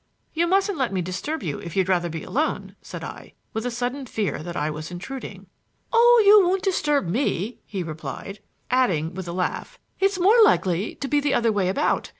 "You mustn't let me disturb you if you'd rather be alone," said I, with a sudden fear that I was intruding. "Oh, you won't disturb me," he replied; adding, with a laugh: "It's more likely to be the other way about.